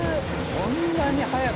こんなに速く。